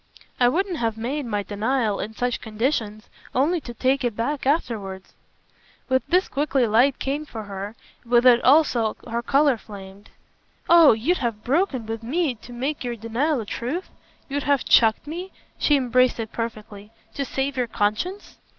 "I wouldn't have made my denial, in such conditions, only to take it back afterwards." With this quickly light came for her, and with it also her colour flamed. "Oh you'd have broken with me to make your denial a truth? You'd have 'chucked' me" she embraced it perfectly "to save your conscience?"